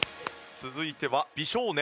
続いては美少年。